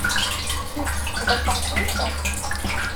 Nekk sseqdaceɣ Twitter.